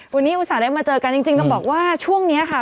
วันนี้อุตส่าห์ได้มาเจอกันจริงต้องบอกว่าช่วงนี้ค่ะ